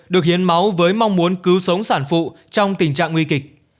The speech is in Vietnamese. được hiến máu với mong muốn cứu sống sản phụ trong tình trạng nguy kịch